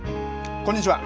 こんにちは。